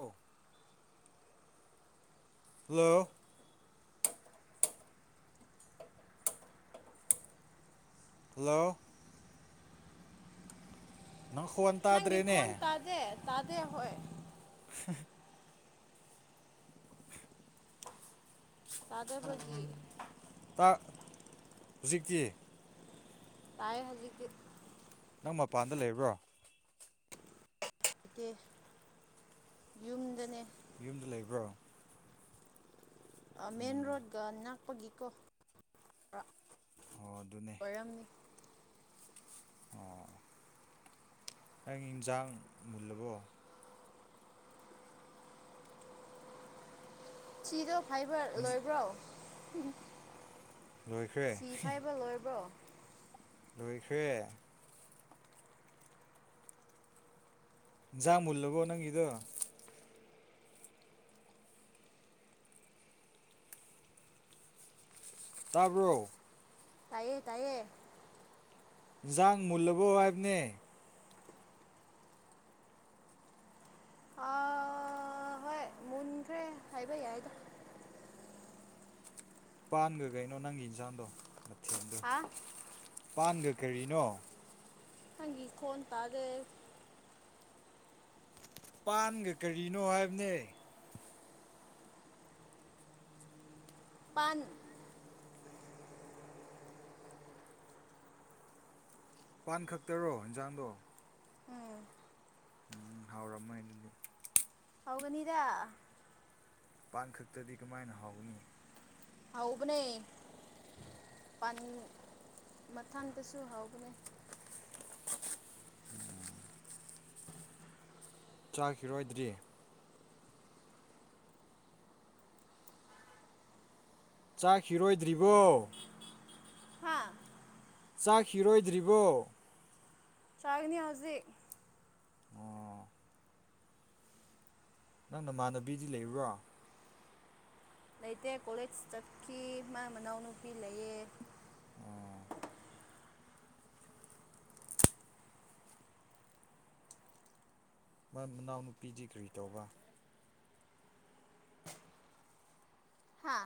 ꯑ [unintelligible] hello hello ꯅꯪꯈꯣꯟ ꯅꯪꯒꯤ ꯇꯥꯗ꯭ꯔꯦꯅꯦ ꯈꫭꯟ ꯇꯥꯗꯦ ꯇꯥꯗꯦ ꯑꯈꫭꯏ ꯇꯥꯗꯕꯒꯤ ꯇꯥ ꯍꯧꯖꯤꯛꯇꯤ ꯇꯥꯏ ꯍꯧꯖꯤꯛꯇꯤ ꯅꯪ ꯃꯄꯥꯟꯗ ꯂꯩꯕ꯭ꯔꯣ ꯂꯩꯇꯦ ꯌꯨꯝꯗꯅꯦ ꯌꯨꯝꯗ ꯂꯩꯕ꯭ꯔꯣ ꯑꯥ ꯃꯦꯟ ꯎꯝ ꯔꯣꯗꯀ ꯅꯥꯀꯄꯒꯤ ꯀꫭ ꯑꯣ ꯑꯗꯨꯅꯦ ꯑꯣꯏꯔꯝꯅꯤ ꯑꯣ ꯅꯪ ꯌꯦꯟꯁꯥꯡ ꯃꯨꯜꯂꯕꯣ ꯆꯤꯗꫭ ꯐꯥꯏꯚꯔ ꯂꯣꯏꯕ꯭ꯔꯣ ꯂꯣꯏꯈ꯭ꯔꯦ ꯊꯤ ꯐꯥꯏꯕ ꯂꯣꯏꯔꯕ꯭ꯔꯣ ꯂꯣꯏꯈꯔ‌ꯦ ꯏꯟꯖꯥꯡ ꯃꯨꯜꯂꯕꯣ ꯅꯪꯒꯤꯗꯣ ꯇꯥꯕ꯭ꯔꯣ ꯇꯥꯏꯌꯦ ꯇꯥꯏꯌꯦ ꯏꯟꯁꯥꯡ ꯃꯨꯜꯂꯕꯣ ꯍꯥꯏꯕꯅꯦ ꯑꯥ ꯍꯥꯏꯕꯩ ꯌꯥꯏꯗ ꯄꯥꯟꯒ ꯀꯩꯅꯣ ꯅꯪꯒꯤ ꯏꯟꯁꯥꯡꯗꯣ ꯍꯥ ꯄꯥꯟꯒ ꯀꯔꯤꯅꯣ ꯍꯪꯒꯤ ꯈꯣꯟ ꯇꯥꯗꯦ ꯄꯥꯟꯒ ꯀꯔꯤꯅꯣ ꯍꯥꯏꯝꯅꯦ ꯄꯥꯟ ꯄꯥꯟ ꯈꯛꯇꯔꯣ ꯍꯦꯟꯖꯥꯡꯗꯣ ꯎꯝ ꯍꯥꯎꯔꯝꯃꯣꯏ ꯑꯗꯨꯗꯤ ꯍꯧꯒꯅꯤꯗ ꯄꯥꯟꯈꯛꯇꯗꯤ ꯀꯃꯥꯏꯅ ꯍꯥꯎꯅꯤ ꯍꯧꯕꯅꯦ ꯄꯥꯟ ꯃꯊꯪꯗꯁꯨ ꯍꯥꯎ ꯆꯥꯈꯤꯔꯣꯏꯗ꯭ꯔꯤ ꯆꯥꯈꯤꯔꯣꯏꯗ꯭ꯔꯤꯕꯣ ꯍꯥ ꯆꯥꯈꯤꯔꯣꯏꯗ꯭ꯔꯤꯕꯣ ꯆꯥꯒꯅꯤ ꯍꯧꯥꯖꯤꯛ ꯑꯣ ꯅꯪ ꯅꯃꯥꯟꯅꯕꯤꯗꯤ ꯂꯩ꯭ꯕꯔꯣ ꯂꯩꯇꯦ ꯀꯣꯂꯦꯖ ꯆꯠꯈꯤ ꯃ ꯃꯅꯥꯎꯅꯨꯄꯤ ꯂꯩꯌꯦ ꯑꯣ ꯃꯥ ꯃꯅꯥꯎꯅꯨꯄꯤꯗꯤ ꯀꯔꯤ ꯇꯧꯕ ꯍꯥ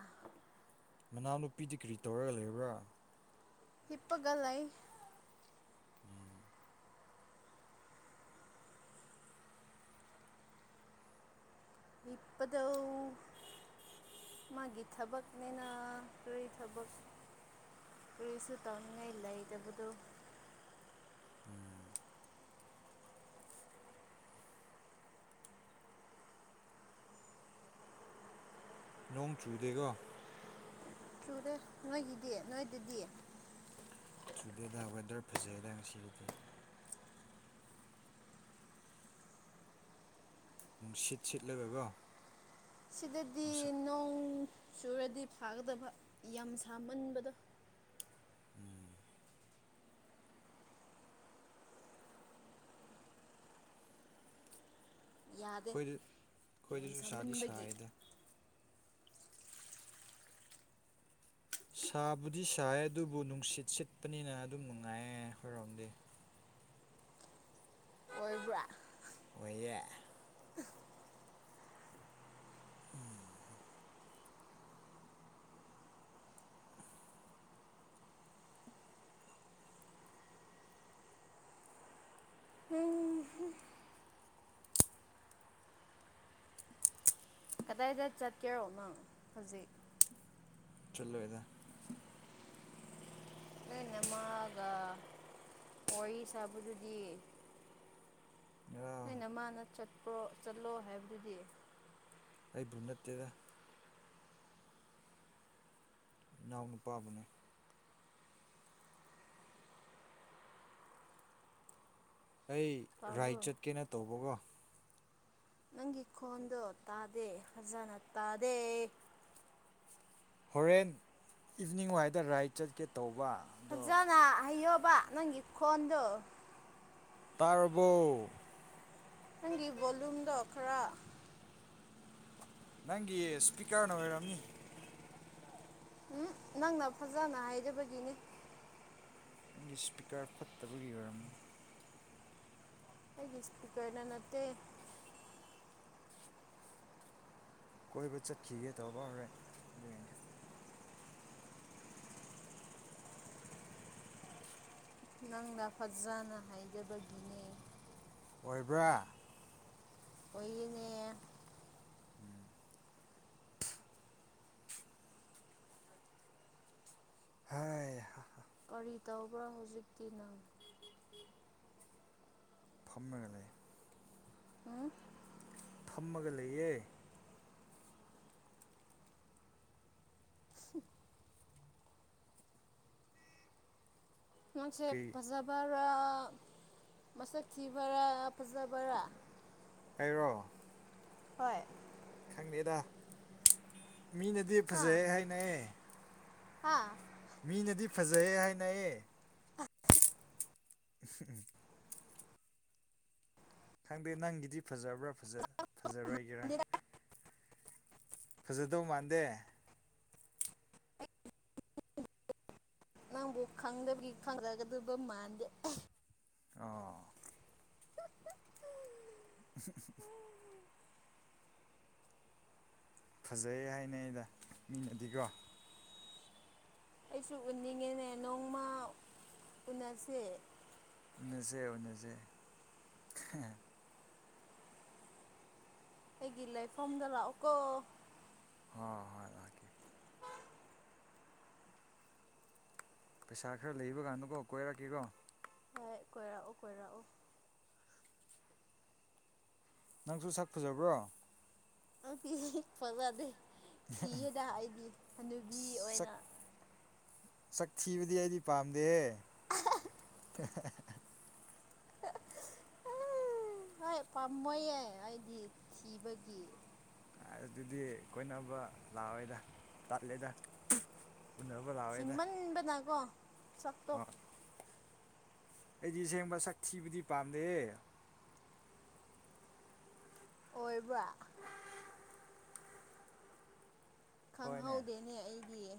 ꯃꯅꯥꯎꯅꯨꯄꯤꯗꯤ ꯀꯔꯤ ꯇꯧꯔꯒ ꯂꯩꯕ꯭ꯔꯥ ꯍꯤꯞꯄꯒ ꯂꯩ ꯍꯤꯞꯄꯗꯣ ꯃꯥꯒꯤ ꯊꯕꯛꯅꯦꯅ ꯀꯔ꯭ꯤ ꯊꯕꯛ ꯀꯔ꯭ꯤꯁꯨ ꯇꯧꯅꯤꯉꯥꯏ ꯂꯩꯇꯕꯗꯨ ꯎꯝ ꯅꯣꯡ ꯆꯨꯗꯦꯀꯣ ꯆꯨꯔꯦ ꯅꯣꯏꯒꯤꯗꯤ ꯅꯣꯏꯗꯗꯤ ꯆꯨꯗꯦꯗ ꯋꯦꯗꯔ ꯐꯖꯩꯗ ꯉꯁꯤꯒꯤꯗꯤ ꯅꯨꯡꯁꯤꯠ ꯁꯤꯠꯂꯒꯀꯣ ꯁꯤꯗꯗꯤ ꯅꯨꯡꯁꯥ ꯅꯣꯡ ꯆꯨꯔꯗꯤ ꯐꯥꯒꯗꯕ ꯌꯥꯝ ꯁꯥꯃꯟꯕꯗꯣ ꯎꯝ ꯌꯥꯗꯦ ꯈꯣꯏꯗ ꯌꯥꯝ ꯈꯣꯏꯗꯁꯨ ꯁꯥꯗꯤ ꯁꯥꯃꯟꯕꯒꯤ ꯁꯥꯏꯗ ꯁꯥꯕꯨꯗꯤ ꯁꯥꯏ ꯑꯗꯨꯕꯨ ꯅꯨꯡꯁꯤꯠ ꯁꯤꯠꯄꯅꯤꯅ ꯑꯗꯨꯝ ꯅꯨꯡꯉꯥꯏꯌꯦ ꯑꯍꯣꯏꯔꯣꯝꯗꯤ [unintelligible] ꯃꯣꯏꯕ꯭ꯔꯥ ꯑꯣꯏꯌꯦ ꯍꯨꯝ ꯀꯗꯥꯏꯗꯠ ꯆꯠꯀꯦꯔꯣ ꯅꯪ ꯍꯧꯖꯤꯛ ꯆꯌꯂꯣꯏꯗ ꯅꯣꯏ ꯅꯃꯥꯒ ꯋꯥꯔꯤ ꯁꯥꯕꯗꯨꯗꯤ ꯑ ꯑꯩꯅ ꯃꯥꯅ ꯆꯠꯄ꯭ꯔꯣ ꯆꯠꯂꯣ ꯍꯥꯏꯕꯗꯨꯗꯤ ꯑꯩꯕꯨ ꯅꯠꯇꯦꯗ ꯏꯅꯥꯎ ꯅꯨꯨꯄꯥꯕꯨꯅꯦ ꯑꯩ ꯔꯥꯏ ꯇꯥꯕ꯭ꯔꯣ ꯆꯠꯀꯦꯅ ꯇꯧꯕꯒꯣ ꯅꯪꯒꯤ ꯈꯣꯟꯗꯣ ꯇꯥꯗꯦ ꯐꯖꯅ ꯇꯥꯗꯦ ꯍꯣꯔꯦꯟ ꯏꯚꯤꯅꯤꯡ ꯋꯥꯏꯗ ꯔꯥꯏꯠ ꯆꯠꯀꯦ ꯇꯧ ꯐꯖꯅ ꯍꯌꯣꯕ ꯅꯪꯒꯤ ꯈꯣꯟꯗꯨ ꯇꯥꯔꯕꯣ ꯅꯪꯒꯤ ꯕꯣꯂꯨꯝꯗꯣ ꯈꯔ ꯅꯪꯒꯤ ꯏꯁꯄꯤꯀꯔꯅ ꯑꯣꯏꯔꯝꯅꯤ ꯎꯝ ꯅꯪꯅ ꯐꯖꯅ ꯍꯥꯏꯖꯕꯒꯤꯅꯦ ꯅꯪꯒꯤ ꯏꯁꯄꯤꯀꯔ ꯐꯠꯇꯕꯒꯤ ꯑꯣꯏꯔꯝꯅꯤ ꯑꯩꯒꯤ ꯏ ꯏꯁꯄꯤꯀꯔ ꯅꯅꯠꯇꯦ ꯀꯣꯏꯕ ꯆꯠꯈꯤꯒꯦ ꯇꯧꯕ ꯍꯣꯔꯦꯟ ꯑꯗꯨꯏꯅꯦ ꯂꯥꯡꯗꯥꯐꯠ ꯆꯅ ꯍꯥꯏꯗꯕꯗꯤꯅꯦ ꯑꯣꯏꯕ꯭ꯔꯥ ꯑꯣꯏꯅꯦ ꯎꯝ ꯍ ꯀꯔꯤ ꯇꯧꯕ꯭ꯔꯣ ꯍꯧꯖꯤꯛꯇꯤꯅꯪ ꯐꯝꯃꯦꯒ ꯂꯩꯦ ꯑ ꯊꯝꯃꯒ ꯂꯩꯌꯦꯦ [inaudible] ꯃꯁꯦ ꯀꯩ ꯄꯖꯕꯔ ꯔ ꯃꯁꯛ ꯊꯤꯕꯔꯥ ꯐꯖꯕꯔꯥ ꯈꯦꯔꯣ ꯍꯣꯏ ꯈꯪꯗꯦꯗ ꯃꯤꯅꯗꯤ ꯐꯖꯩ ꯍꯥꯏꯅꯌꯦ ꯍꯥꯥ ꯃꯤꯅꯗꯤ ꯐꯖꯩꯑꯦ ꯍꯥꯏꯅꯌꯦ ꯎꯝꯝ ꯈꯪꯗꯦ ꯅꯪꯒꯤꯗꯤ ꯐꯖꯕ꯭ꯔꯥ ꯐꯖꯔꯣꯏꯒꯦꯔꯥ ꯐꯖꯗꯧ ꯃꯥꯟꯗꯦ ꯅꯪꯕꯨ ꯈꯪꯗꯕꯒꯤ ꯈꯪꯗꯒꯗꯕ ꯃꯥꯟꯗꯦ ꯑ [unintelligible] ꯐꯖꯩ ꯍꯥꯏꯅ ꯑꯩꯗ ꯃꯤꯅꯗꯤꯀꯣ ꯑꯩꯁꯨ ꯎꯅꯤꯡꯉꯤꯅꯦ ꯅꯣꯡꯃ ꯎꯟꯅꯁꯦ ꯑꯣꯅꯦꯖꯦ ꯑꯣꯅꯦꯁꯦ ꯑꯩꯒꯤ ꯂꯩꯐꯝꯗ ꯂꯥꯛꯑꯣꯀꯣ ꯍꯣꯏ ꯍꯣꯏ ꯂꯥꯛꯀꯦ ꯄꯩꯁꯥ ꯈꯔ ꯂꯩꯕ ꯀꯥꯟꯅꯨꯀꯣ ꯀꯣꯏꯔꯛꯀꯔꯣ ꯀꯣꯏꯔꯥꯛꯑꯣ ꯀꯣꯏꯔꯛꯑꯣ ꯅꯪꯁꯨ ꯁꯛ ꯐꯖꯕ꯭ꯔꯣ ꯑ ꯄꯖꯗ ꯁꯤꯗ ꯑꯩꯒꯤ ꯍ ꯅꯨꯕꯤ ꯁꯛ ꯑꯣꯏꯅ ꯁꯛ ꯊꯤꯕꯗꯤ ꯑꯩꯗꯤ ꯄꯥꯝꯗꯦꯍꯦ [unintelligible] ꯍ ꯄꯥꯝꯃꯣꯏꯌꯦꯦ ꯑꯩꯗꯤ ꯊꯤꯕꯒꯤ ꯑꯗꯨꯗꯤ ꯀꯣꯏꯅꯕ ꯂꯥꯛꯑꯣꯦꯗ ꯇꯠꯂꯦꯗ ꯎꯅꯕ ꯂꯥꯛꯑꯣꯏꯗ ꯍꯃꯟꯕꯅꯀꯣ ꯁꯥꯛ ꯇꯣꯛ ꯑꯩꯗꯤꯁꯦꯡꯕ ꯁꯛ ꯊꯤꯕꯗꯤ ꯄꯥꯝꯗꯦ ꯑꯣꯏꯣꯏꯕ ꯍꯣꯏꯅꯦ ꯈꯪꯍꯧꯗꯦꯅꯦ ꯑꯩꯒꯤ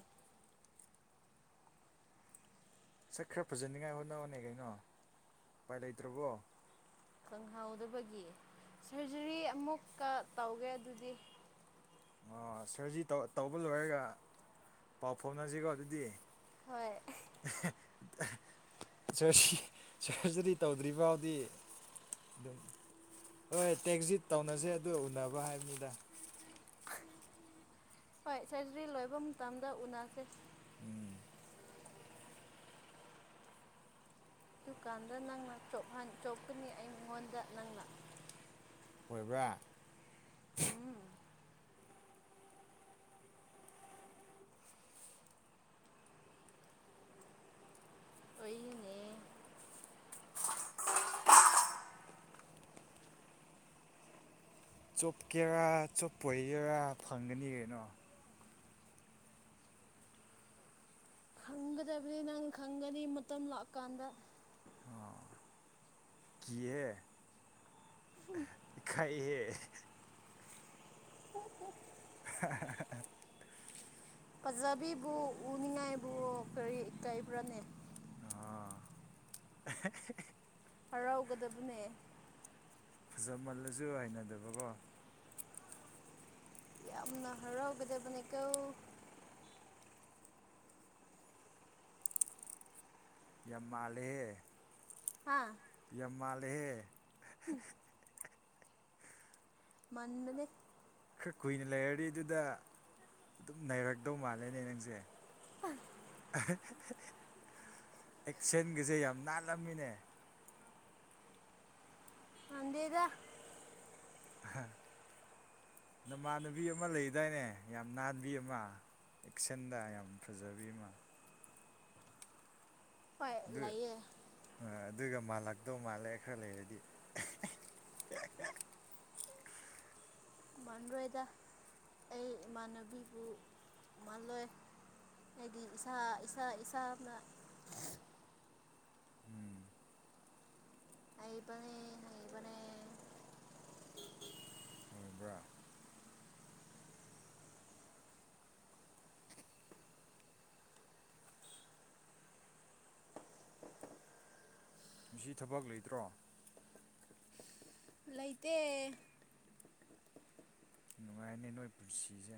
ꯁꯠ ꯈꯔ ꯐꯖꯅꯤꯉꯥꯏ ꯍꯣꯠꯅꯅꯕꯅꯦ ꯀꯩꯅꯣ ꯎꯄꯥꯏ ꯂꯩꯇ꯭ꯔꯕꯣ ꯈꯪꯍꯧꯗꯕꯒꯤ ꯁꯔꯖꯔꯤ ꯑꯃꯨꯛꯀ ꯇꯧꯒꯦ ꯑꯗꯨꯗꯤ ꯑꯣ ꯁꯔꯖꯤ ꯇꯧꯕ ꯂꯣꯏꯔꯒ ꯄꯥꯎ ꯐꯥꯎꯅꯁꯤꯀꯣ ꯑꯗꯨꯗꯤ ꯍꯣꯏ [unintelligible] ꯁꯔꯖꯔꯤ ꯇꯧꯗ꯭ꯔꯤ ꯐꯥꯎꯗꯤ ꯑꯗꯨꯝ ꯍꯣꯏ ꯇꯦꯛꯖꯤꯠ ꯇꯧꯅꯁꯦ ꯑꯗꯨ ꯎꯅꯕ ꯍꯥꯏꯕꯅꯤꯗ ꯍꯣꯏ ꯁꯔꯖꯔꯤ ꯂꯣꯏꯕ ꯃꯇꯝꯗ ꯎꯅꯁꯦ ꯎꯝ ꯗꯨꯀꯥꯟꯗ ꯅꯪꯅ ꯆꯣꯀꯅꯤ ꯑꯩ ꯃꯉꯣꯟꯗ ꯅꯪꯅ ꯑꯣꯏꯣꯏꯕ꯭ꯔꯥ ꯎꯝ ꯑꯣꯏꯏꯅꯦ ꯆꯣꯞꯀꯦꯔꯥ ꯆꯣꯞꯄ ꯑꯣꯏꯒꯦꯔꯥ ꯐꯪꯒꯅꯤ ꯀꯩꯅꯣ ꯈꯪꯒꯗꯕꯅꯤ ꯅꯪ ꯈꯪꯒꯅꯤ ꯃꯇꯝ ꯂꯥꯛꯀꯥꯟꯗ ꯀꯍ ꯀꯥꯏꯍꯦ [unintelligible] ꯄꯖꯕꯤꯕꯨ ꯎꯅꯤꯡꯉꯥꯏꯕꯨ ꯀꯔꯤ ꯀꯥꯏꯕ꯭ꯔꯥꯅꯦ ꯑ ꯍꯔꯥꯎꯒꯗꯕꯅꯦ ꯐꯖꯃꯜꯂꯁꯨ ꯍꯩꯅꯗꯕꯀꯣ ꯌꯥꯝꯅ ꯍꯔꯥꯎꯒꯗꯕꯅꯦ ꯀ ꯌꯥꯝ ꯃꯥꯜꯂꯦꯍꯦ ꯍꯥꯥ ꯌꯥꯝ ꯃꯥꯜꯂꯦꯍꯦ ꯃꯗꯅꯦ ꯈꯔ ꯀꯨꯏꯅ ꯂꯩꯔꯗꯤ ꯑꯗꯨꯗ ꯑꯗꯨꯝ ꯅꯩꯔꯗꯧ ꯃꯥꯜꯂꯦꯅꯦ ꯅꯪꯁꯦ ꯑ ꯑꯦꯛꯁꯟꯒꯁꯦ ꯌꯥꯝ ꯅꯥꯜꯂꯝꯃꯤꯅꯦ ꯃꯗꯦꯗ ꯅꯃꯥꯟꯅꯕꯤ ꯑꯃ ꯂꯩꯗꯥꯏꯅꯦ ꯌꯥꯝ ꯅꯥꯟꯕꯤ ꯑꯃ ꯑꯦꯛꯁꯟꯗ ꯌꯥꯝ ꯐꯖꯕꯤꯃ ꯐ ꯑꯗꯨ ꯂꯩꯌꯦ ꯑꯗꯨꯒ ꯃꯥꯜꯂꯛꯇꯧ ꯃꯥꯜꯂꯦ ꯈꯔ ꯂꯩꯔꯗꯤ [unintelligible] ꯃꯜꯂꯣꯏꯗ ꯑꯩ ꯏꯃꯥꯟꯅꯕꯤꯕꯨ ꯃꯥꯜꯂꯣꯏ ꯍꯥꯏꯗꯤ ꯏꯁꯥ ꯏꯁꯥ ꯏꯁꯥꯅ ꯎꯝ ꯑꯩꯕꯅꯦ ꯑꯕꯅꯦ ꯍꯣꯏꯗ ꯉ ꯊꯕꯛ ꯂꯩꯇ꯭ꯔꯣ ꯂꯩꯇ ꯅꯨꯡꯉꯥꯏꯅꯤ ꯅꯣꯏ ꯄꯨꯟꯁꯤꯁꯦ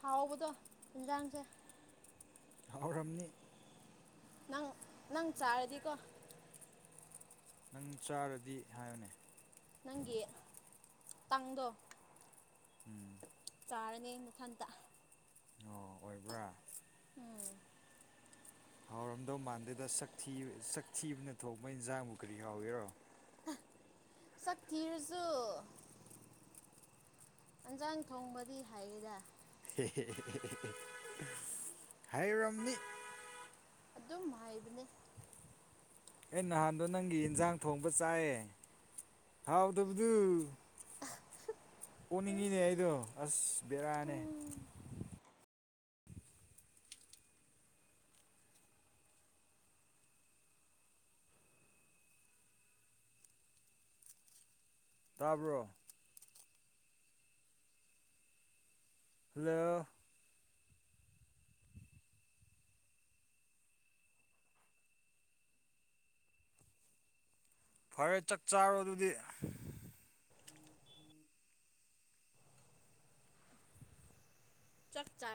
ꯍꯥꯎꯕꯗꯣ ꯌꯦꯟꯖꯥꯡꯁꯦ ꯔꯝꯅꯤ ꯅꯪ ꯅꯪ ꯆꯥꯔꯗꯤꯀꯣ ꯅꯪ ꯆꯥꯔꯗꯤ ꯍꯥꯏꯕꯅꯦ ꯅꯪꯒꯤ ꯇꯥꯡꯗꯣ ꯎꯝ ꯆꯥꯔꯅꯤ ꯃꯊꯟꯇ ꯑꯣ ꯑꯣꯏꯕ꯭ꯔꯥ ꯍꯥꯎꯔꯝꯗꯧ ꯃꯥꯟꯗꯗ ꯁꯛ ꯊꯤꯕꯅ ꯊꯣꯛꯣꯡꯄ ꯏꯟꯁꯥꯡꯕꯨ ꯀꯔꯤ ꯍꯥꯎꯏꯤꯔꯣ ꯁꯀꯤꯔꯁꯨꯨ ꯑꯦꯟꯖꯥꯡ ꯊꯣꯡꯕꯗꯤ ꯍꯥꯏꯌꯦꯗ ꯍꯥꯏ ꯔꯝꯅꯤ ꯑꯗꯨꯝ ꯍꯥꯏꯕꯅꯦ ꯑꯩ ꯅꯍꯥꯟꯗꯣ ꯅꯪꯒꯤ ꯏꯟꯖꯥꯡ ꯊꯣꯡꯕ ꯆꯥꯛꯑ ꯍꯥꯎꯗꯕꯗꯨ ꯑꯣꯣꯛꯅꯤꯡꯉꯤꯅꯦ ꯑꯩꯗꯣ ꯑꯁ ꯕꯦꯔꯥꯅꯦ ꯇꯥꯕ꯭ꯔꯣ ꯍꯜꯂꯣ ꯐꯔꯦ ꯆꯥꯛ ꯆꯥꯔꯣ ꯑꯗꯨꯗꯤ ꯆꯥꯛ ꯆꯥꯛ